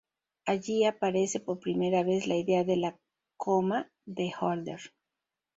Allí aparece por primera vez la idea de la coma de Holder.